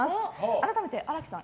改めて荒木さん